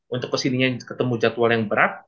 untuk kesininya ketemu jadwal yang berat